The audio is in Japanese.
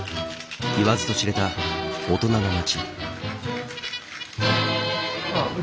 言わずと知れた大人の街。